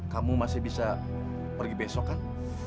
kamu masih bisa pergi besok kan